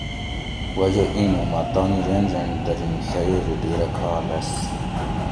وجہ اینوں مۤہ تانی رین رین دۤرین ڷئیری ڈِھیرہ کھا لھس